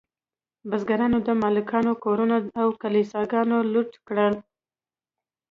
بزګرانو د مالکانو کورونه او کلیساګانې لوټ کړې.